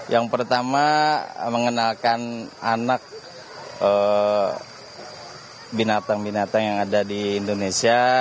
yang pertama mengenalkan anak binatang binatang yang ada di indonesia